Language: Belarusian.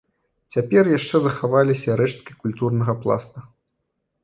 Цяпер яшчэ захаваліся рэшткі культурнага пласта.